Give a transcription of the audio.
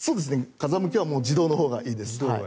風向きは自動のほうがいいです。